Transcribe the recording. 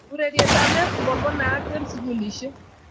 Urerietab netball ko naat eng sukulishek